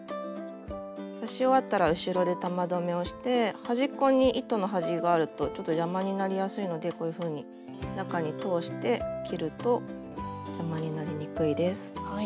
刺し終わったら後ろで玉留めをして端っこに糸の端があるとちょっと邪魔になりやすいのでこういうふうに中に通して切ると邪魔になりにくいです。